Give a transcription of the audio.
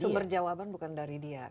jadi jawaban bukan dari dia